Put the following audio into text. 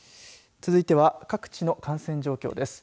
続いては各地の感染状況です。